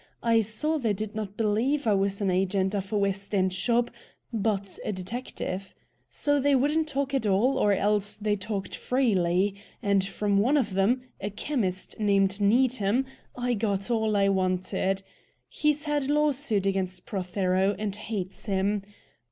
I saw they did not believe I was an agent of a West End shop, but a detective. So they wouldn't talk at all, or else they talked freely. And from one of them, a chemist named Needham, I got all I wanted. He's had a lawsuit against Prothero, and hates him.